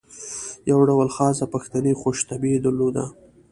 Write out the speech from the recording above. یو ډول خاصه پښتني خوش طبعي یې درلوده.